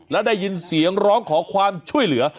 และได้ยินเสียงร้องขอความช่วยเหลือ